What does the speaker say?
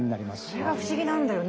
それが不思議なんだよね。